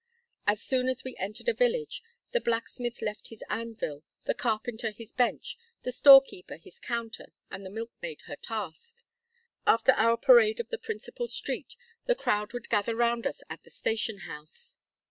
As soon as we entered a village, the blacksmith left his anvil, the carpenter his bench, the storekeeper his counter, and the milkmaid her task. After our parade of the principal street, the crowd would gather round us at the station house.